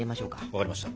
分かりました。